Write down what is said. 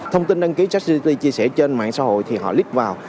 thông tin đăng ký chat gbt chia sẻ trên mạng xã hội thì họ lít vào